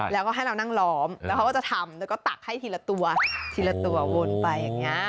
แล้วก็ให้เรานั่งล้อมแล้วเขาก็จะทำแล้วก็ตักให้ทีละตัวทีละตัววนไปอย่างนี้